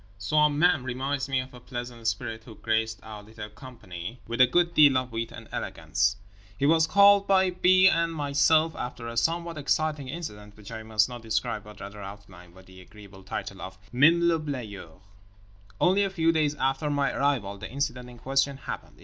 Soi même reminds me of a pleasant spirit who graced our little company with a good deal of wit and elegance. He was called by B. and myself, after a somewhat exciting incident which I must not describe, but rather outline, by the agreeable title of Même le Balayeur. Only a few days after my arrival the incident in question happened.